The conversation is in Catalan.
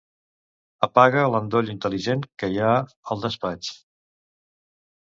Apaga l'endoll intel·ligent que hi ha al despatx.